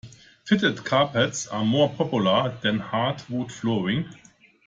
Fitted carpets are more popular than hardwood flooring